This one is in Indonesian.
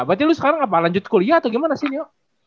berarti lu sekarang apa lanjut kuliah atau gimana sih neo